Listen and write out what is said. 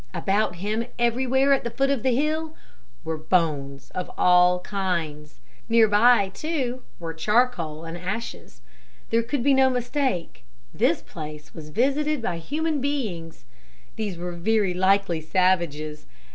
About him everywhere at the foot of the hill were bones of all kinds. Near by too, were charcoal and ashes. There could be no mistake, the place was visited by human beings. These were very likely savages.